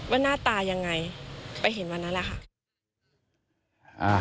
หน้าตายังไงไปเห็นวันนั้นแหละค่ะ